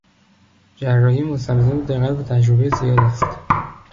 جراحی مستلزم دقت و تجربهی زیاد است.